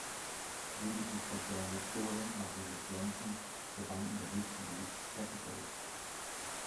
Lediglich der Däne Søren Marinus Jensen gewann in der höchsten Gewichtsklasse Gold.